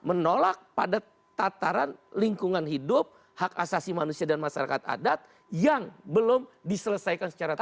menolak pada tataran lingkungan hidup hak asasi manusia dan masyarakat adat yang belum diselesaikan secara tata